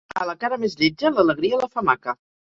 A la cara més lletja, l'alegria la fa maca.